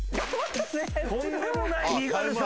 とんでもない身軽さ。